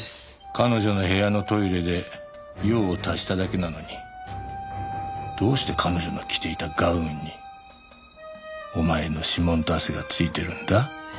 彼女の部屋のトイレで用を足しただけなのにどうして彼女の着ていたガウンにお前の指紋と汗がついてるんだ？